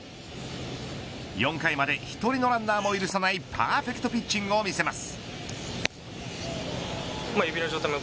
４回まで１人のランナーも許さないパーフェクトピッチングを見せます。